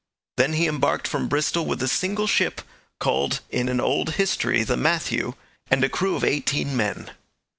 Then he embarked from Bristol with a single ship, called in an old history the Matthew, and a crew of eighteen men.